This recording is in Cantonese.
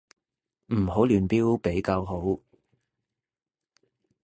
唔好亂標比較好